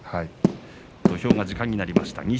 土俵が時間になりました。